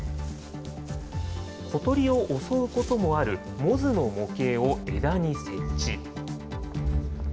小鳥を襲うこともあるモズの模型を枝に設置。